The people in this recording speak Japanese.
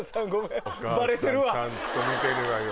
ちゃんと見てるわよ。